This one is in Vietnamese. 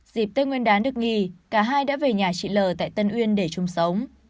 dịp tây nguyên đán được nghỉ cả hai đã về nhà chị lờ tại tân uyên để chung sống